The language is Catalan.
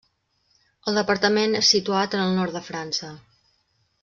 El departament és situat en el nord de França.